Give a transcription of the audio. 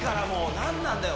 何なんだよ。